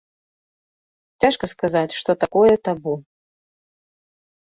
Цяжка сказаць, што такое табу.